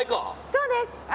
そうです。